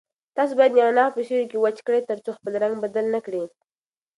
تاسو باید نعناع په سیوري کې وچ کړئ ترڅو خپل رنګ بدل نه کړي.